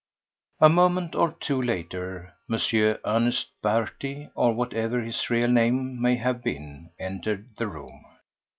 A moment or two later M. Ernest Berty, or whatever his real name may have been, entered the room.